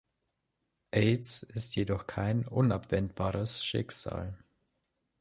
Aids ist jedoch kein unabwendbares Schicksal.